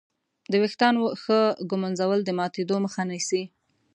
د وېښتانو ښه ږمنځول د ماتېدو مخه نیسي.